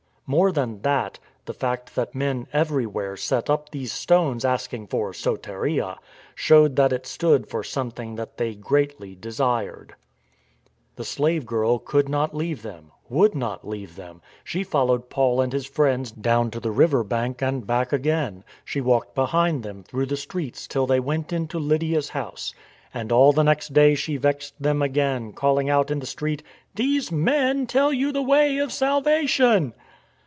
More than that, the fact that men everywhere set up these stones asking for " soteria " showed that it stood for something that they greatly desired. The slave girl could not leave them — would not leave them. She followed Paul and his friends down to the river bank and back again; she walked behind them through the streets till they went into Lydia's 190 STORM AND STRESS house. And all the next day she vexed them again, calling out in the street :" These men tell you the way of salvation."